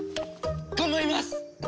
頑張ります！